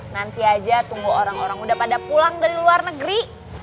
nanti aja tunggu orang orang udah pada pulang dari luar negeri